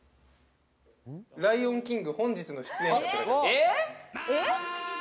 『ライオンキング』本日の出演者って書いてる。